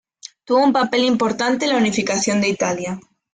Tuvo un papel importante en la unificación de Italia.